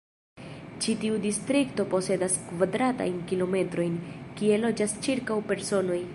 Ĉi tiu distrikto posedas kvadratajn kilometrojn, kie loĝas ĉirkaŭ personoj.